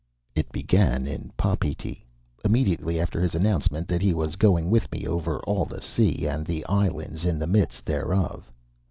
It began in Papeete, immediately after his announcement that he was going with me over all the sea, and the islands in the midst thereof.